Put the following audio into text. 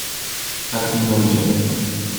Tak minął dzień.